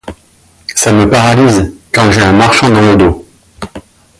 Ça me paralyse, quand j'ai un marchand dans le dos.